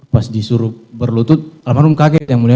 pas disuruh berlutut almarhum kaget yang mulia